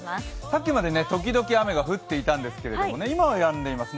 さっきまで時々雨が降っていたんですけれども今はやんでいます。